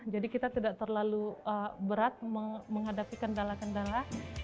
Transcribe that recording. jadi kita tidak terlalu berat menghadapi kendala kendala